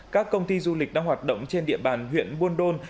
các công ty du lịch đang hoạt động trên địa bàn huyện buôn đôn